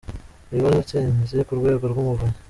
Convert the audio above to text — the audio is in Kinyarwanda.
Ibibazo isinzi ku Rwego rw’Umuvunyi